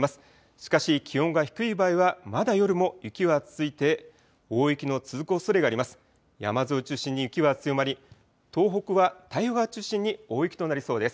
しかし気温が低い場合はまだ夜も雪は続いて大雪の続くおそれがあります。